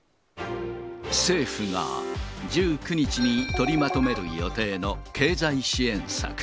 政府が１９日に取りまとめる予定の経済支援策。